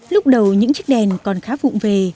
lúc đầu những chiếc đèn còn khá vụn về